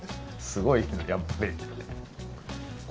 すごい人だ、やっぱり。